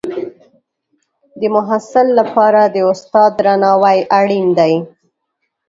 د محصل لپاره د استاد درناوی اړین دی.